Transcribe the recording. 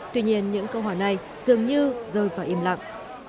tuy nhiên những câu hỏi này dường như rơi vào im lặng